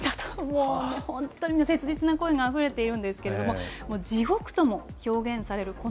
本当に切実な声があふれているんですけれども、地獄とも表現される